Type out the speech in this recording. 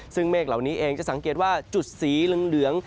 ซึ่งเมฆเหล่านี้เองจะสังเกตว่าจุดสีเหลือง